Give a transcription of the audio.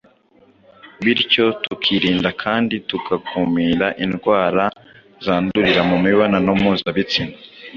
bityo tukirinda kandi tugakumira indwara zandurira mu mibonano mpuzabitsina.